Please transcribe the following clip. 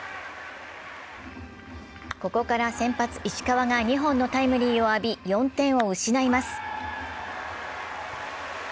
ここから先発・石川が２本のタイムリーを浴び４点を失います。